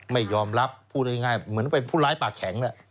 ไม่ยอมรับพูดง่ายเหมือนเป็นผู้ร้ายปากแข็ง